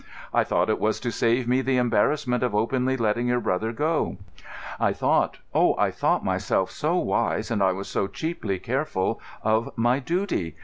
I thought it was to save me the embarrassment of openly letting your brother go. I thought—oh, I thought myself so wise, and I was so cheaply careful of my duty.